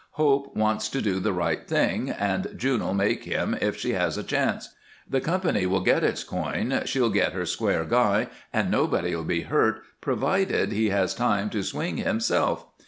Hope wants to do the right thing, and June'll make him if she has a chance. The company will get its coin, she'll get her square guy, an' nobody'll be hurt, provided he has time to swing himself.